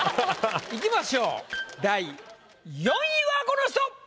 いきましょう第４位はこの人！